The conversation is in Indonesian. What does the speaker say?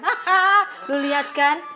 haha lu lihat kan